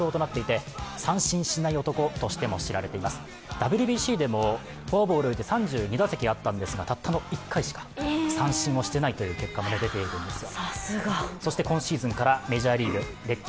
ＷＢＣでもフォアボールを入れて３２打席あったんですが、たったの１回しか三振をしていないという結果も出ているんですよ。